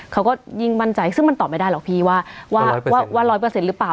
เขาก็ยิ่งมั่นใจซึ่งมันตอบไม่ได้หรอกพี่ว่าว่า๑๐๐หรือเปล่า